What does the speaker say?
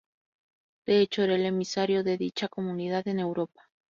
De hecho era el emisario de dicha comunidad en Europa.